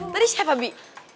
tadi siapa bi